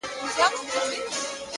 چي مرور نه یم؛ چي در پُخلا سم تاته؛